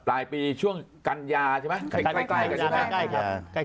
ปลายปีช่วงกันยาใช่ไหมใกล้